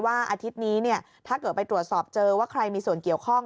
อาทิตย์นี้ถ้าเกิดไปตรวจสอบเจอว่าใครมีส่วนเกี่ยวข้อง